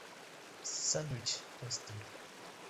Sándwich St.